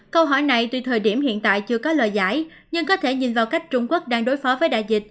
câu hỏi này tuy thời điểm hiện tại chưa có lời giải nhưng có thể nhìn vào cách trung quốc đang đối phó với đại dịch